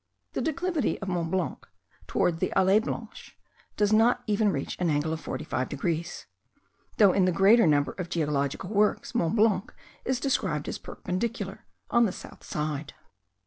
The declivity of Mont Blanc towards the Allee Blanche does not even reach an angle of 45 degrees; though in the greater number of geological works, Mont Blanc is described as perpendicular on the south side.